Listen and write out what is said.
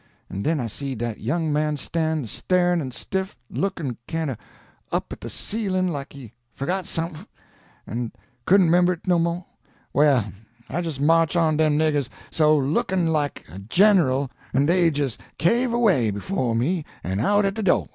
an' den I see dat young man stan' a starin' an' stiff, lookin' kin' o' up at de ceilin' like he fo'got somefin, an' couldn't 'member it no mo'. Well, I jist march' on dem niggers so, lookin' like a gen'l an' dey jist cave' away befo' me an' out at de do'.